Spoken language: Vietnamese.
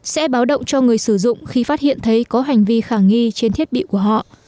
sẽ báo động cho người sử dụng khi phát hiện thấy có hành vi khả nghi trên thiết bị của họ